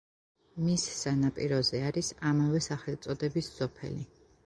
მის სანაპიროზე არის ამავე სახელწოდების სოფელი.